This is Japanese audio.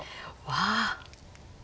わあ。